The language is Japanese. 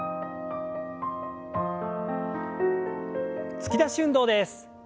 突き出し運動です。